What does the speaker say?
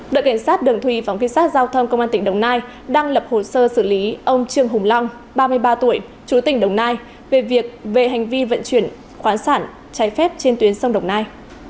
đội cảnh sát đường thùy phóng viên sát giao thông công an tỉnh đồng nai đang lập hồ sơ xử lý ông trương hùng long ba mươi ba tuổi chú tỉnh đồng nai về việc về hành vi vận chuyển khoán sản trái phép trên tuyến sông đồng nai